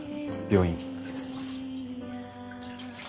病院。